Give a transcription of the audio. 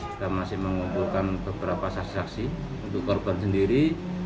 kita masih mengumpulkan beberapa saksi saksi untuk korban sendiri